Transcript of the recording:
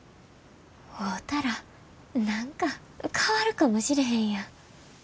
会うたら何か変わるかもしれへんやん。